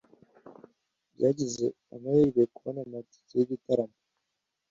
Byagize amahirwe kubona amatike yigitaramo.